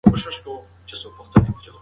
تحقیق د علم بنسټ پیاوړی کوي.